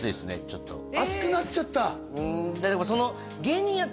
ちょっと熱くなっちゃった？